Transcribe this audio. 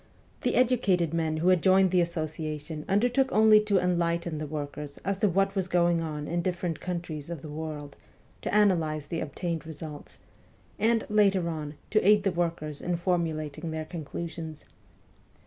The educated men who had joined the associa tion undertook only to enlighten the workers as to what was going on in different countries of the world to analyse the obtained results, and, later on, to aid WESTERN EUEOPE 211 the workers in formulating their conclusions.